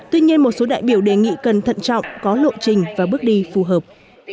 tuy nhiên một số đại biểu đề nghị cần thận trọng có lộ trình và bước đi phù hợp